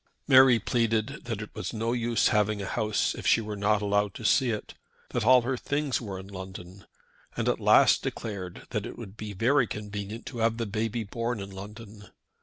Mary pleaded that it was no use having a house if she were not allowed to see it, that all her things were in London, and at last declared that it would be very convenient to have the baby born in London.